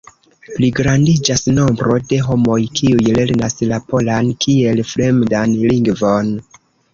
Pligrandiĝas nombro de homoj, kiuj lernas la polan kiel fremdan lingvon.